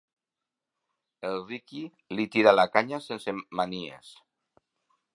El Riqui li tira la canya sense manies.